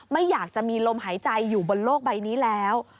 ไม่อยากจะมีลมหายใจอยู่บนโลกใบนี้แล้ว